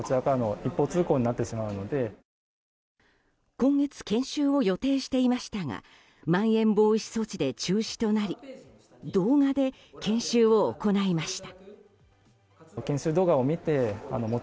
今月、研修を予定していましたがまん延防止措置で中止となり動画で研修を行いました。